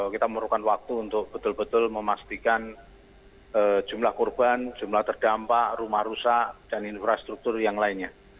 kita memerlukan waktu untuk betul betul memastikan jumlah korban jumlah terdampak rumah rusak dan infrastruktur yang lainnya